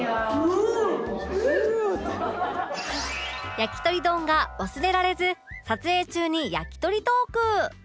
やきとり丼が忘れられず撮影中に焼き鳥トーク